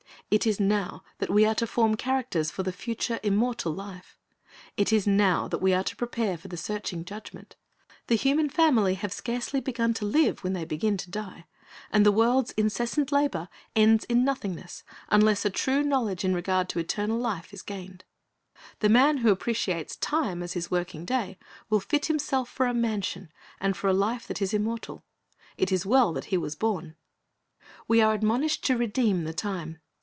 It is now that we are to form characters for the future, immortal life. It is now that we are to prepare for the searching Judgment. The human family have scarcely begun to live when they begin to die, and the world's incessant labor ends in nothingness unless a true knowledge in regard to eternal life is gained. The man who appreciates time as his working day will fit himself for a mansion and for a life that is immortal. It is well that he was born We are admonished to redeem the time.